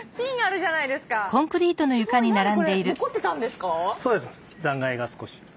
残骸が少し。